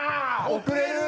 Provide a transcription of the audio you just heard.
遅れる。